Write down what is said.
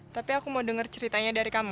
tapi aku mau denger ceritanya dari kamu